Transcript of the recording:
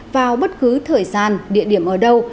vào bất cứ thời gian địa điểm ở đâu